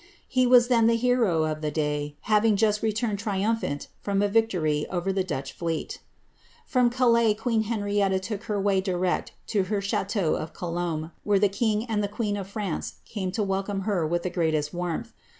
He was then the hero of the diyi having just returned triumphant from a victor}' over the Dutch fleet From Calais queen Henrietta took her way direct to her ch&teau of Colombe, where the king and the queen of France came to welcome her with the greatest warmth.